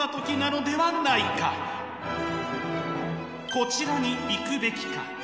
こちらに行くべきか？